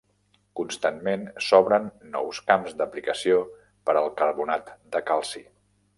Constantment s'obren nous camps d'aplicació per al carbonat de calci.